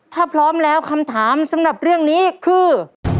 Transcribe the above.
ถ้าพร้อมแล้วคำถามสำหรับเรื่องนี้คือ